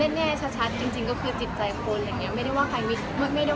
แต่ก่อนที่จะรักใครอีกครั้งด้วยมันต้องมั่นใจแม่แล้ว